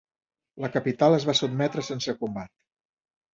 La capital es va sotmetre sense combat.